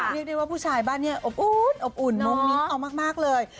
เรียกได้ว่าผู้ชายบ้านนี้อบอุ่นอบอุ่นมุ้งมิ้งเอามากเลย